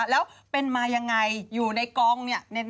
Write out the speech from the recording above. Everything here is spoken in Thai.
แล้วเป็นมาอย่างไรอยู่ในกองนี่ในค่ายทหารนี่